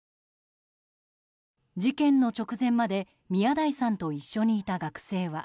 事件の直前まで宮台さんと一緒にいた学生は。